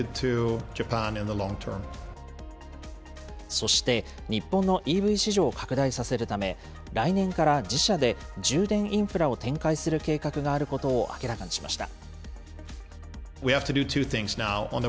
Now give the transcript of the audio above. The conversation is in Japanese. そして、日本のＥＶ市場を拡大させるため、来年から自社で充電インフラを展開する計画があることを明らかにしました。